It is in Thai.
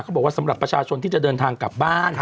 เขาบอกว่าสำหรับประชาชนที่จะเดินทางกลับบ้าน